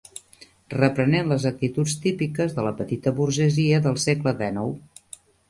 Reprenent les actituds típiques de la petita burgesia del segle dènou.